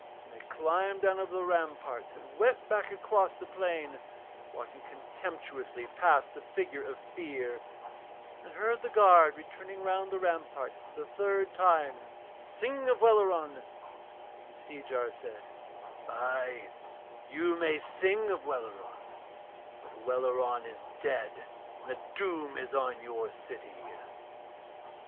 Then they climbed down over the ramparts and went back across the plain, walking contemptuously past the figure of Fear, and heard the guard returning round the ramparts for the third time, singing of Welleran; and Seejar said: 'Ay, you may sing of Welleran, but Welleran is dead and a doom is on your city.'